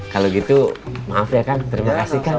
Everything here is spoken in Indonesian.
kalau gitu maaf ya kan terima kasih kan